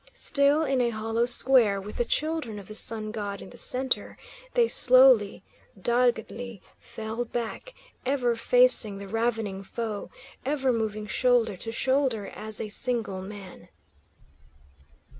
Still in a hollow square, with the Children of the Sun God in the centre, they slowly, doggedly fell back, ever facing the ravening foe, ever moving shoulder to shoulder as a single man.